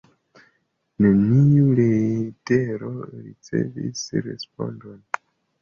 Neniu letero ricevis respondon.